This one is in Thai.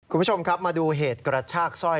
คุณผู้ชมครับมาดูเหตุกระชากสร้อย